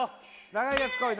長いやつこい！